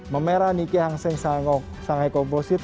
memerah nikkei hang seng sangai komposit